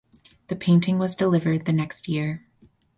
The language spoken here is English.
The painting was delivered the next year.